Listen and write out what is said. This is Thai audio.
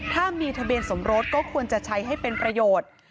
ถ้ามีทะเบียนสมรสก็ควรจะใช้ให้เป็นประโยชน์